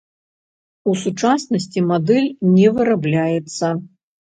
У сучаснасці мадэль не вырабляецца.